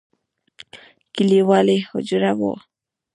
کليوالي حجره وه.